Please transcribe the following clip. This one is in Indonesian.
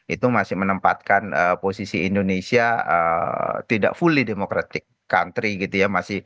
itu masih menempatkan posisi indonesia tidak fully democratic country gitu ya